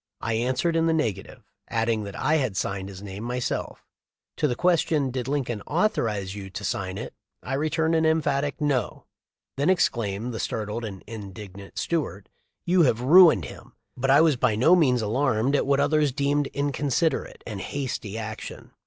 I answered in the neg ative, adding that I had signed his name myself. To the question, "Did Lincoln authorize you to THE LIFE OF LINCOLN. 383 sign it?" I returned an emphatic "No." "Then," exclaimed the startled and indignant Stuart, "you have ruined him." But I was by no means alarmed at what others deemed inconsiderate and hasty action.